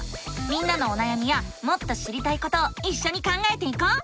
みんなのおなやみやもっと知りたいことをいっしょに考えていこう！